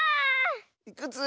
いくつ？